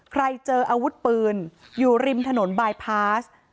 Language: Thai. เจออาวุธปืนอยู่ริมถนนบายพาส